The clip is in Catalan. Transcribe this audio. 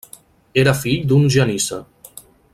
Era fill d'un genísser.